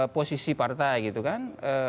posisi partai gitu kan